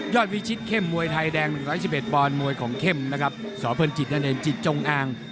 ยอดวิชิตเข้มมวยไทยแดง๑๑๑บอลมวยของเข้มนะครับสอเพื่อนจิตนาเนียนจิตจงอ่าง